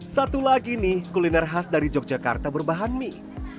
satu lagi nih kuliner khas dari yogyakarta berbahan mie